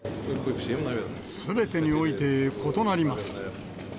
すべてにおいて異なります。